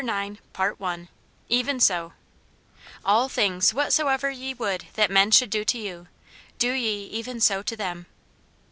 CHAPTER IX "Even So" "All things whatsoever ye would That men should do to you, Do ye even so to them."